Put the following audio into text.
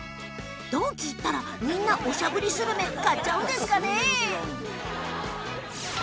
ドンキ行ったらみんなおしゃぶりするめ買っちゃうんですかね？